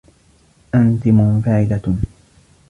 أنتِ منفعلة.